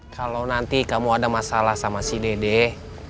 kalau nanti kamu ada masalah sama si dedek